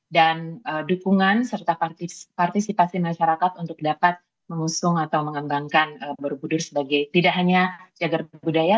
dukungan serta partisipasi masyarakat untuk dapat mengusung atau mengembangkan borobudur sebagai tidak hanya jagad budaya